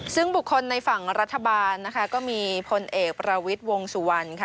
ซึ่งบุคคลในฝั่งรัฐบาลนะคะก็มีพลเอกประวิทย์วงสุวรรณค่ะ